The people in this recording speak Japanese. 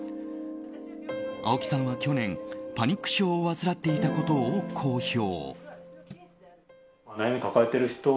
青木さんは去年、パニック症を患っていたことを公表。